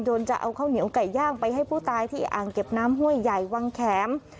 จะเอาข้าวเหนียวไก่ย่างไปให้ผู้ตายที่อ่างเก็บน้ำห้วยใหญ่วังแข็ม